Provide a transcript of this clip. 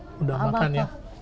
sudah makan ya